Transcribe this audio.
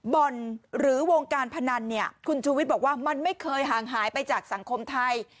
บ่อนหรือวงการพนันเนี่ยคุณชูวิทย์บอกว่ามันไม่เคยห่างหายไปจากสังคมไทย